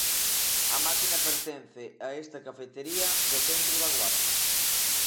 A máquina pertence a esta cafetería do centro da Guarda.